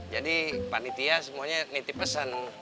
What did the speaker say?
jadi pak nitya semuanya niti pesen